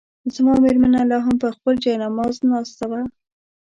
زما مېرمنه لا هم پر خپل جاینماز ناسته وه.